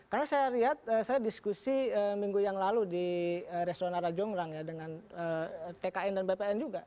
karena saya lihat saya diskusi minggu yang lalu di restoran arra jongrang ya dengan tkn dan bpn juga